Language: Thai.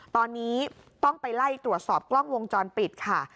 ตอนนี้ต้องไปไล่ตรวจสอบกล้องวงจรปิดค่ะ